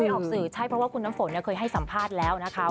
ออกสื่อใช่เพราะว่าคุณน้ำฝนเคยให้สัมภาษณ์แล้วนะคะ